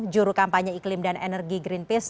juru kampanye iklim dan energi greenpeace